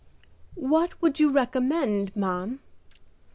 "What would you recommend, ma'am?"